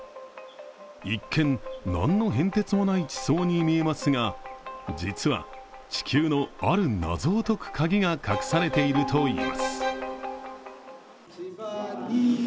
一見、何の変哲もない地層に見えますが、実は、地球のある謎を解く鍵が隠されているといいます。